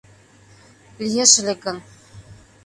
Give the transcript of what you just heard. лиеш ыле гын